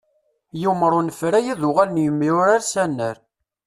Yumer unefray ad d-uɣalen yemyurar s annar.